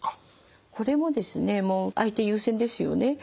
これもですね相手優先ですよね。